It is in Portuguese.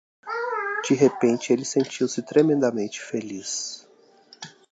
De repente, ele sentiu-se tremendamente feliz.